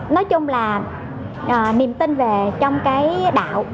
nói chung là niềm tin về trong cái đạo